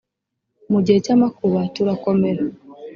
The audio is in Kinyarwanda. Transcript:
mu gihe cy amakuba turakomera